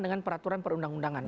dengan peraturan perundang undangan